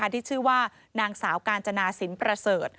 ที่ชื่อว่านางสาวกาญจนาสินประเสริฐ